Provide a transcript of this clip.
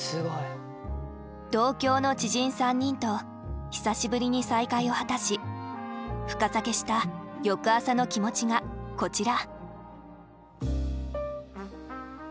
同郷の知人３人と久しぶりに再会を果たし深酒した翌朝の気持ちがこちら。